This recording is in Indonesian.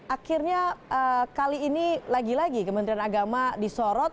akhirnya kali ini lagi lagi kementerian agama disorot